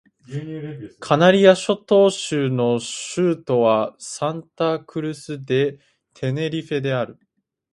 カナリア諸島州の州都はサンタ・クルス・デ・テネリフェである